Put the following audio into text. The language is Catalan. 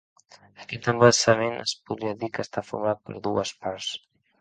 Aquest embassament es podria dir que està format per dues parts.